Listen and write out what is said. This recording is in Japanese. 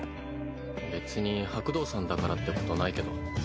別に白道さんだからってことないけど。